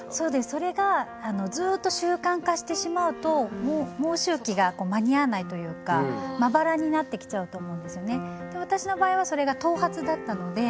それがずっと習慣化してしまうと毛周期がこう間に合わないというかまばらになってきちゃうと思うんですよね。